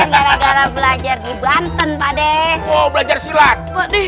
gara gara belajar di banten padeh belajar silat